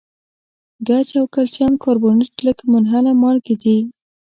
ګچ او کلسیم کاربونیټ لږ منحله مالګې دي.